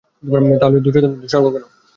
তাহলে দুর্যোধন স্বর্গে কেনো?